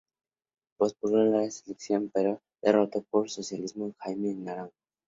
Postuló a la reelección, pero fue derrotado por el socialista Jaime Naranjo.